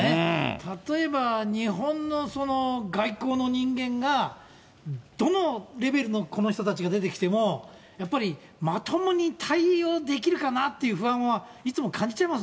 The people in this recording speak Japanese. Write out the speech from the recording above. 例えば日本の外交の人間が、どのレベルのこの人たちが出てきても、やっぱりまともに対応できるかなっていう不安はいつも感じてます